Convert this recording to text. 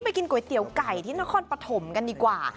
เราไปกินก๋วยเตี๋ยวกไก่ที่นครประถมกันดีกว่า